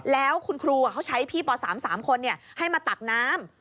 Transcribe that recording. แล้วคุณครูเขาใช้พี่ป๓๓คนให้มาตักน้ำ